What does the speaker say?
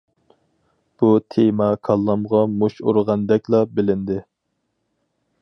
بۇ تېما كاللامغا مۇش ئۇرغاندەكلا بىلىندى.